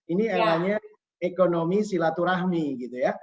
ini eranya ekonomi silaturahmi gitu ya